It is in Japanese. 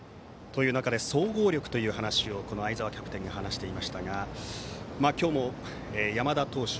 という中で総合力という話をこの相澤キャプテンが話していましたが今日も山田投手